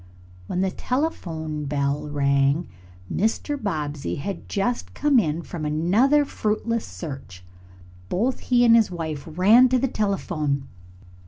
When the telephone bell rang Mr. Bobbsey had just come in from another fruitless search. Both he and his wife ran to the telephone.